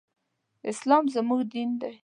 اسلام زموږ دين دی.